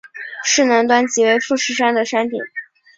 市南端即为富士山的山顶。